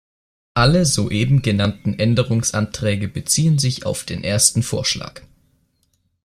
Alle soeben genannten Änderungsanträge beziehen sich auf den ersten Vorschlag.